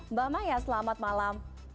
mbak maya selamat malam